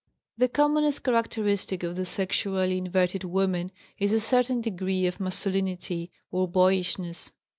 The commonest characteristic of the sexually inverted woman is a certain degree of masculinity or boyishness.